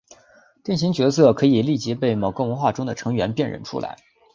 定型角色可以立即被某个文化中的成员辨认出来。